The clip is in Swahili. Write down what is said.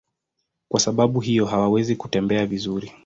Kwa sababu hiyo hawawezi kutembea vizuri.